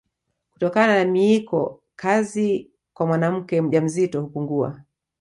Kutokana na miiko kazi kwa mwanamke mjamzito hupungua